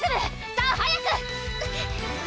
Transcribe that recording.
さぁ早く！